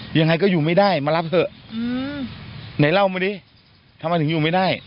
ยังไงก็อยู่ไม่ได้มารับเถอะไหนเล่ามาดิทำไมถึงอยู่ไม่ได้